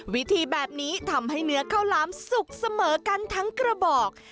วิธีแบบนี้ทำให้เนื้อข้าวหลามสุกเสมอกันทั้งกระบอก